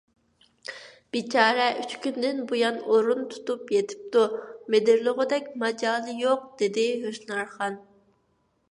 — بىچارە ئۈچ كۈندىن بۇيان ئورۇن تۇتۇپ يېتىپتۇ، مىدىرلىغۇدەك ماجالى يوق، — دېدى ھۆسنارخان.